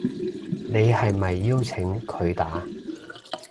你係咪邀請佢打